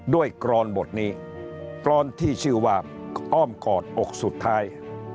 กรอนบทนี้กรอนที่ชื่อว่าอ้อมกอดอกสุดท้าย